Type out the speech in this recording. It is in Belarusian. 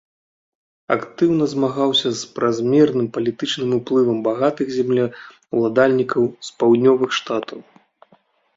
Актыўна змагаўся з празмерным палітычным уплывам багатых землеўладальнікаў з паўднёвых штатаў.